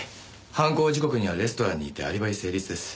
犯行時刻にはレストランにいてアリバイ成立です。